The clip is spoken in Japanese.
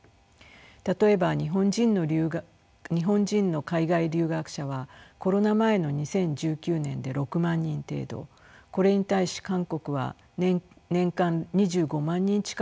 例えば日本人の海外留学者はコロナ前の２０１９年で６万人程度これに対し韓国は年間２５万人近くを送り出します。